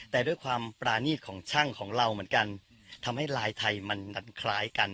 แต่ด้วยความปรานีตของช่างของเราเหมือนกันทำให้ลายไทยมันคล้ายกัน